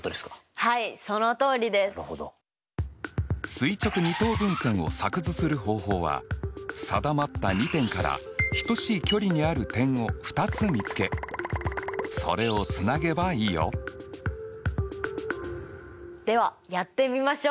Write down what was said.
垂直二等分線を作図する方法は定まった２点から等しい距離にある点を２つ見つけそれをつなげばいいよ。ではやってみましょう！